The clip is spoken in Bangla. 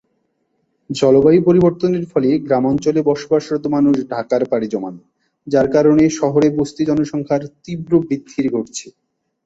জলবায়ু পরিবর্তনের ফলে গ্রামাঞ্চলে বসবাসরত মানুষ ঢাকার পাড়ি জমান, যার কারণে শহরে বস্তি জনসংখ্যার তীব্র বৃদ্ধির ঘটছে।